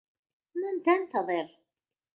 من تنتظر ؟